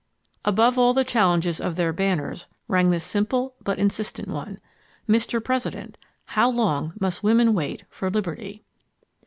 Above all the challenges of their banners rang this simple, but insistent one: Mr. President How Long Must Women Wait for Liberty?